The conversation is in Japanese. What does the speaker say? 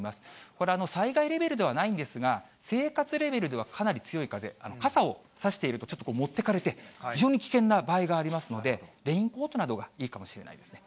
これ、災害レベルではないんですが、生活レベルではかなり強い風、傘を差しているとちょっと持っていかれて、非常に危険な場合がありますので、レインコートなどがいいかもしれないですね。